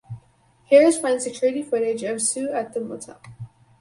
Harris finds security footage of Sue at the motel.